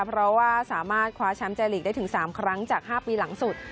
เพราะว่าสามารถคว้าแชมป์เจลีกได้ถึง๓ครั้งจาก๕ปีหลังสุด